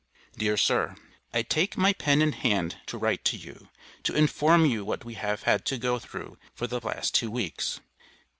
DEAR SIR; I tak my pen in hand to write to you, to inform you what we have had to go throw for the last two weaks.